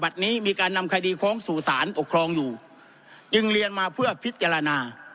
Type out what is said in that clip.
นี้มีการนำคดีฟ้องสู่สารปกครองอยู่จึงเรียนมาเพื่อพิจารณา